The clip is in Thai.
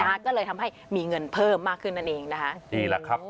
นะฮะก็เลยทำให้มีเงินเพิ่มมากขึ้นนั่นเองนะคะนี่แหละครับ